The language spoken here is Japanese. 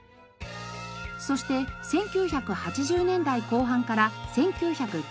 そして１９８０年代後半から１９９０年代前半。